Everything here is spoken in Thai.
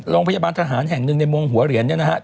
โรงพยาบาลทหารแห่งหนึ่งในเมืองหัวเหรียญเนี่ยนะครับ